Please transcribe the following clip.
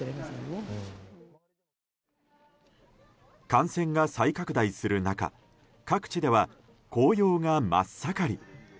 感染が再拡大する中各地では紅葉が真っ盛り。